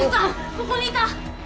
ここにいた！